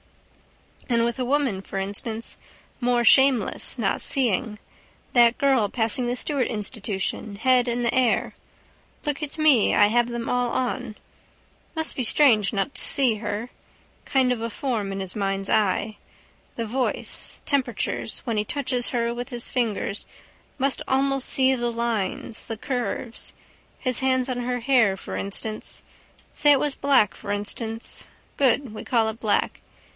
And with a woman, for instance. More shameless not seeing. That girl passing the Stewart institution, head in the air. Look at me. I have them all on. Must be strange not to see her. Kind of a form in his mind's eye. The voice, temperatures: when he touches her with his fingers must almost see the lines, the curves. His hands on her hair, for instance. Say it was black, for instance. Good. We call it black.